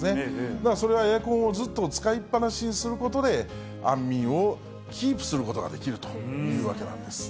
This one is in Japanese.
だからそれはエアコンをずっと使いっぱなしにすることで、安眠をキープすることができるというわけなんです。